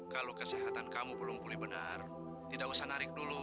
kalau kesehatan kamu belum pulih benar tidak usah narik dulu